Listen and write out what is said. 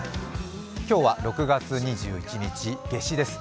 今日は６月２１日、夏至です。